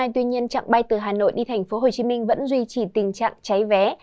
tuy nhiên trạng bay từ hà nội đi tp hcm vẫn duy trì tình trạng cháy vé